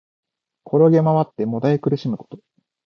転げまわって悶え苦しむこと。